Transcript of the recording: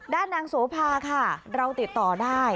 ด้านนางโสภาค่ะเราติดต่อได้